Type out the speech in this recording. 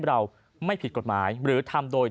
เราไม่ผิดกฎหมายหรือทำโดย